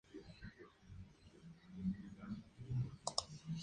Falleció en el exilio, en Claremont en Surrey, Inglaterra.